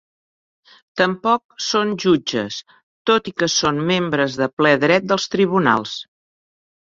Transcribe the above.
Tampoc són jutges, tot i que són membres de ple dret dels tribunals.